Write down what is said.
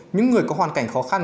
những người có hoàn cảnh khó khăn